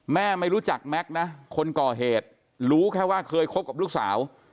ไม่รู้จักแม็กซ์นะคนก่อเหตุรู้แค่ว่าเคยคบกับลูกสาว